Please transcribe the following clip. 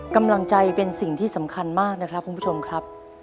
กำลังใจเป็นสิ่งที่สำคัญมากนะครับคุณผู้ชมครับ